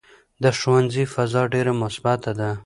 د ښوونځي فضا ډېره مثبته ده.